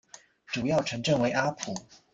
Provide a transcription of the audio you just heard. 主要城镇为阿普。